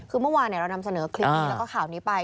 คือเมื่อวานเรานำเสนอคลิปนี้แล้วก็ข่าวนี้ไป